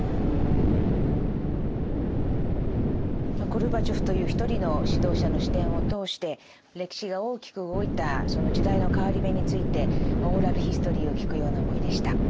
ゴルバチョフという一人の指導者の視点を通して歴史が大きく動いたその時代の変わり目についてオーラルヒストリーを聴くような思いでした。